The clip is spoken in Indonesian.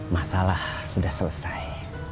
masalah sudah selesai